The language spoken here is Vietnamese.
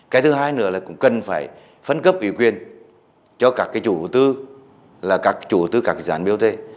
cái thứ hai nữa là cũng cần phải phân cấp ủy quyền cho các cái chủ tư là các chủ tư các dàn biểu tê